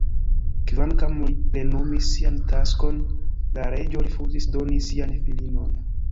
Kvankam li plenumis sian taskon, la reĝo rifuzis doni sian filinon.